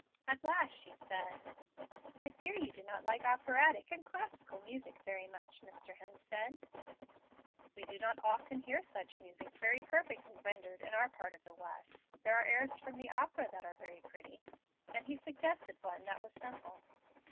At last she said, "I fear you do not like operatic and classical music very much, Mr. Hemstead?" "We do not often hear such music very perfectly rendered in our part of the West. There are airs from the opera that are very pretty"; and he suggested one that was simple.